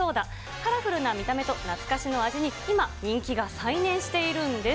カラフルな見た目と懐かしの味に今、人気が再燃しているんです。